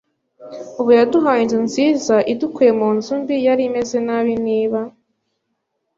ubu yaduhaye inzu nziza idukuye mu nzu mbi yari imeze nabi niba